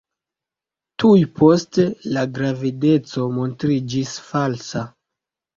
Tuj poste, la gravedeco montriĝis falsa.